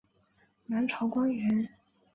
南朝官员。